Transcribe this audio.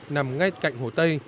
nằm ngay cạnh hồ tây